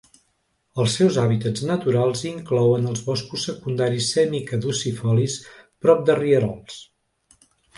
Els seus hàbitats naturals inclouen els boscos secundaris semicaducifolis, prop de rierols.